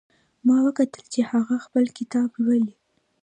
ما وکتل چې هغه خپل کتاب لولي